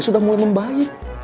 sudah mulai membaik